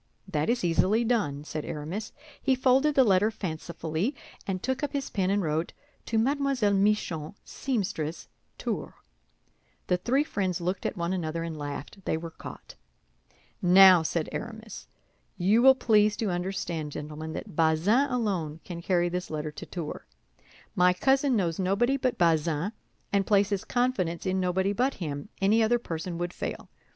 "That is easily done," said Aramis. He folded the letter fancifully, and took up his pen and wrote: "To Mlle. Michon, seamstress, Tours." The three friends looked at one another and laughed; they were caught. "Now," said Aramis, "you will please to understand, gentlemen, that Bazin alone can carry this letter to Tours. My cousin knows nobody but Bazin, and places confidence in nobody but him; any other person would fail.